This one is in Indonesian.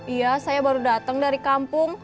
iya saya baru datang dari kampung